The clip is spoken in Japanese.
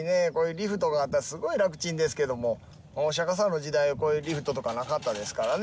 リフトがあったらすごい楽ちんですけどもお釈迦さんの時代はこういうリフトとかなかったですからね。